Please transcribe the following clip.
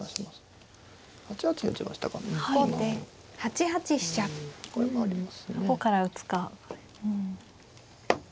どこから打つか。